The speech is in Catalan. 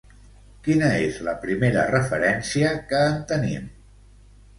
Quina és la primera referència que en tenim?